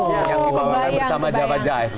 yang dibawakan bersama java jai